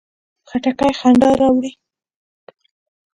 خټکی خندا راوړي.